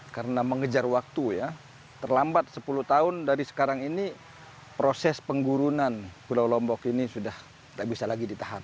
karena mengejar waktu ya terlambat sepuluh tahun dari sekarang ini proses penggurunan pulau lombok ini sudah tak bisa lagi ditahan